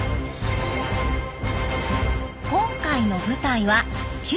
今回の舞台は九州。